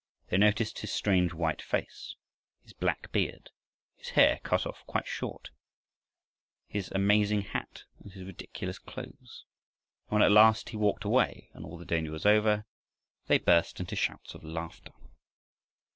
They noticed his strange white face, his black beard, his hair cut off quite short, his amazing hat, and his ridiculous clothes. And when at last he walked away, and all danger was over, they burst into shouts of laughter.